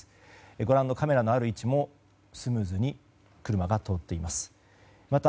ご覧のカメラのある位置もスムーズに車が通っています。